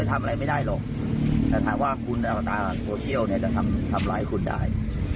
ถามว่าคุณน่าตาโฟเซียลก็ทำหลายคุณได้